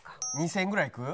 ２０００ぐらいいく？